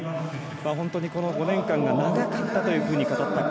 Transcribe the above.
本当にこの５年間が長かったというふうに語った萱。